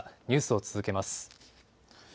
ニュースを続けます。